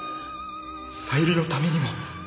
小百合のためにも。